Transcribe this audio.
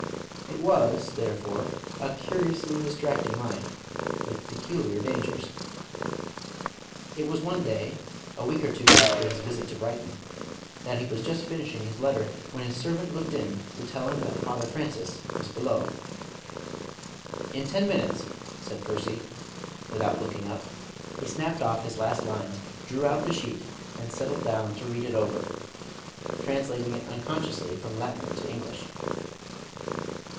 It was, therefore, a curiously distracting life, with peculiar dangers. It was one day, a week or two after his visit to Brighton, that he was just finishing his letter, when his servant looked in to tell him that Father Francis was below. "In ten minutes," said Percy, without looking up. He snapped off his last lines, drew out the sheet, and settled down to read it over, translating it unconsciously from Latin to English.